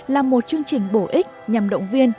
là một chương trình bổ ích nhằm động viên